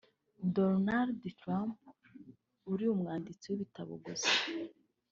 Donald trump uri umwanditsi w’ibitabo gusa